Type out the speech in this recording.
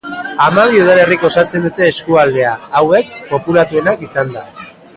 Hamabi udalerrik osatzen dute eskualdea, hauek populatuenak izanda.